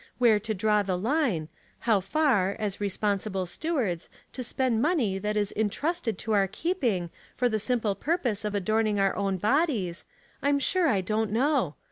Where to draw the line — how far, as responsible stewards, to spend money that is intrusted to our keeping, for the simple purpose of adorning our own bodies — I'm sure I don't know.